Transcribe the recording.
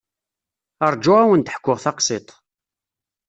Rju ad wen-d-ḥkuɣ taqsiṭ.